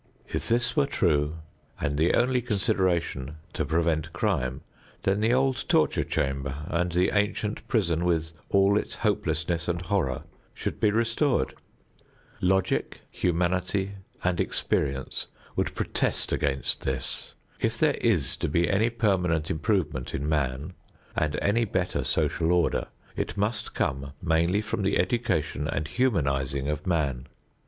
If this were true and the only consideration to prevent crime, then the old torture chamber and the ancient prison with all its hopelessness and horror should be restored. Logic, humanity and experience would protest against this. If there is to be any permanent improvement in man and any better social order, it must come mainly from the education and humanizing of man.